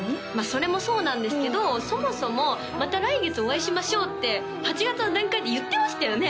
それもそうなんですけどそもそも「また来月お会いしましょう」って８月の段階で言ってましたよね？